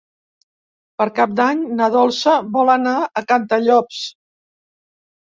Per Cap d'Any na Dolça vol anar a Cantallops.